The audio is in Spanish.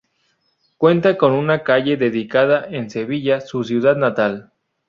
Cuenta con una calle dedicada en Sevilla, su ciudad natal.